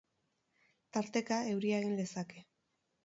Tarteka, euria egin lezake.